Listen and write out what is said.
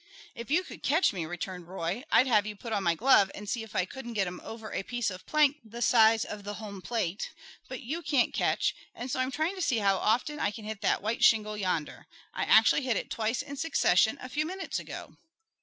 "If you could catch me," returned Roy, "I'd have you put on my glove and see if I couldn't get 'em over a piece of plank the size of the home plate; but you can't catch, and so I'm trying to see how often I can hit that white shingle yonder. I actually hit it twice in succession a few minutes ago."